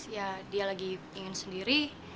ya dia lagi ingin sendiri